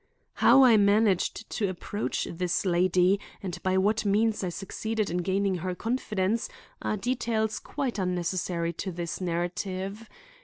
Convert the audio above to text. How I managed to approach this lady and by what means I succeeded in gaining her confidence are details quite unnecessary to this narrative.